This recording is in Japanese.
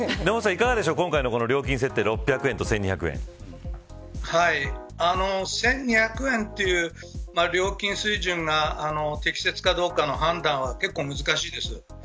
今回の料金設定６００円と１２００円という料金水準が適切かどうかの判断は結構難しいです。